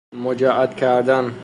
مجعد کردن